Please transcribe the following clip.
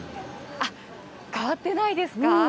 変わってないですか？